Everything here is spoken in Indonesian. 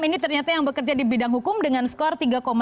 ini ternyata yang bekerja di bidang hukum dengan skor tiga satu